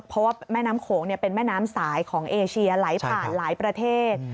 เพราะว่าแม่น้ำโขงเป็นแม่น้ำสายของเอเชียไหลผ่านหลายประเทศ